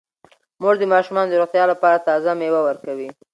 مور د ماشومانو د روغتیا لپاره تازه میوه ورکوي.